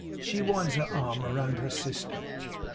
She winds her arm around her sister.